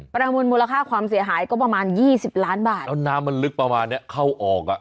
ประมูลมูลค่าความเสียหายก็ประมาณยี่สิบล้านบาทแล้วน้ำมันลึกประมาณเนี้ยเข้าออกอ่ะ